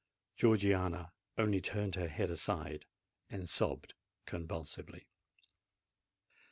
Georgiana only turned her head aside, and sobbed convulsively.